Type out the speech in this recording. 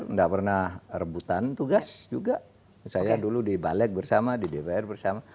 nggak pernah rebutan tugas juga saya dulu di balik bersama di dpr bersama